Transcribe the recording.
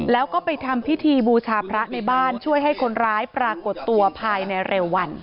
แล้วก็ไปทำพิธีบูชาพระในบ้านช่วยให้คนร้ายปรากฏตัวภายในเร็ววัน